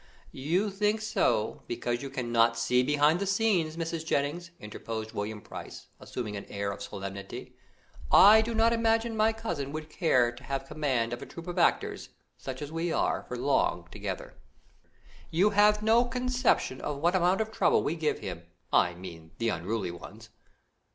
"You think so, because you cannot see behind the scenes, Mrs. Jennings," interposed William Price, assuming an air of solemnity; "I do not imagine my cousin would care to have command of a troupe of actors, such as we are, for long together; you have no conception of what amount of trouble we give him, I mean, the unruly ones."